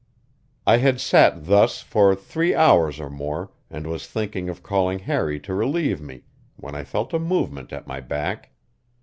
I had sat thus for three hours or more, and was thinking of calling Harry to relieve me, when I felt a movement at my back.